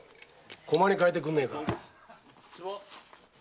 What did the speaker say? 駒に代えてくんねえか。